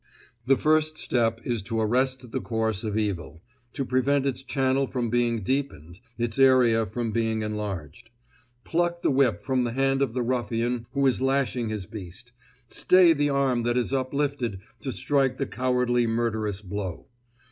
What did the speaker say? The first step is to arrest the course of evil, to prevent its channel from being deepened, its area from being enlarged. Pluck the whip from the hand of the ruffian who is lashing his beast; stay the arm that is uplifted to strike the cowardly murderous blow.